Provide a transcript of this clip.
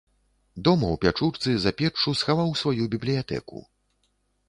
Дома ў пячурцы за печчу схаваў сваю бібліятэку.